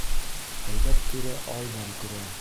Һәйбәт түрә алдан күрә.